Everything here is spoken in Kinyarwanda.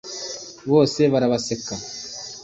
bose barabaseka